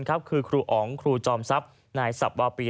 คือครูอำครูจอมซับนายสับวาปี